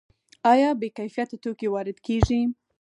آیا بې کیفیته توکي وارد کیږي؟